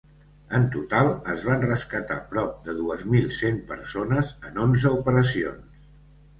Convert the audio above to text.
En total es van rescatar ‘prop de dues mil cent persones en onze operacions’.